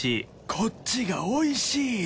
こっちがおいしいよ！